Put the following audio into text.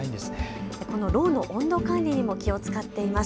このろうの温度の管理にも気を遣っています。